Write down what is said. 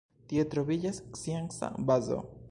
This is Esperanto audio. Tie troviĝas scienca bazo.